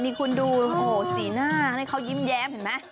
นี่คุณดูโอ้โหสีหน้านี่เขายิ้มแย้มเห็นไหม